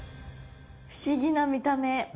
不思議な見た目。